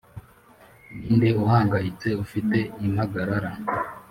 ninde uhangayitse, ufite impagarara